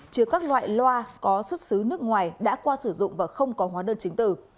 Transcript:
chứa các loại loa có xuất xứ nước ngoài đã qua sử dụng và không có hóa đơn chính tử